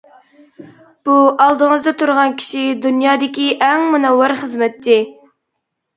-بۇ ئالدىڭىزدا تۇرغان كىشى دۇنيادىكى ئەڭ مۇنەۋۋەر خىزمەتچى!